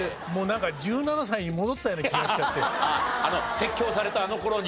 説教されたあの頃に。